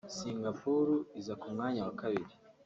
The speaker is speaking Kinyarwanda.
Singapore iza ku mwanya wa kabiri